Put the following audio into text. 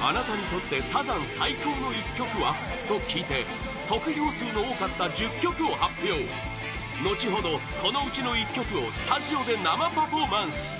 あなたにとってサザン最高の１曲は？と聞いて得票数の多かった１０曲を発表後ほど、このうちの１曲をスタジオで生パフォーマンス！